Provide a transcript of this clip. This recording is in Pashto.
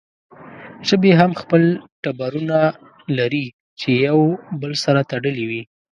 ژبې هم خپل ټبرونه لري چې يو بل سره تړلې وي